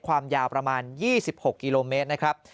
ความยาวประมาณ๒๖กิโลเมตรนะครับ